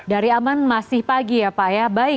dari aman masih pagi ya pak ya